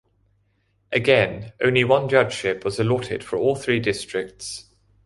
Again, only one judgeship was allotted for all three districts.